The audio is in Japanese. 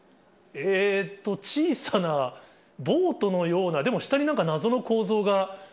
えーっと、小さなボートのような、でも下になんか、謎の構造が。